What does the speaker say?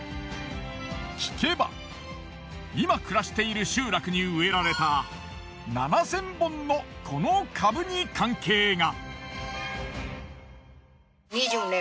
聞けば今暮らしている集落に植えられた７，０００本のこの株に関係が。